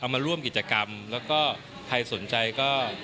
มาร่วมกิจกรรมแล้วก็ใครสนใจก็